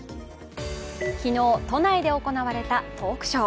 昨日、都内で行われたトークショー。